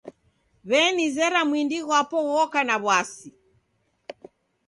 W'enizera mwindi ghwapo ghoka na w'asi.